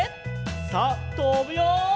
さあとぶよ！